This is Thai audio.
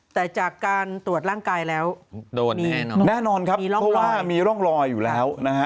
แต่จากการตรวจร่างกายแล้วโดนแน่นอนครับเพราะว่ามีร่องรอยอยู่แล้วนะฮะ